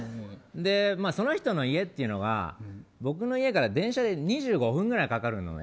で、その人の家っていうのが僕の家から電車で２５分ぐらいかかるのね。